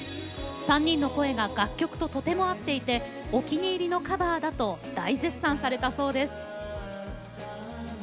３人の声が楽曲ととても合っていてお気に入りのカバーだと大絶賛されたそうです。